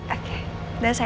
oke udah sayang